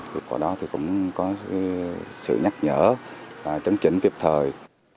trước đó thì cũng có sự nhắc nhở và chấn chỉnh tiếp thời